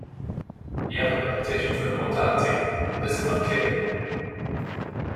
He has a reputation for immortality, but this is unclear.